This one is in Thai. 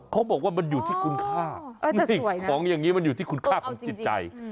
เขาบอกว่ามันอยู่ที่คุณค่าของอย่างนี้มันอยู่ที่คุณค่าของจิตใจ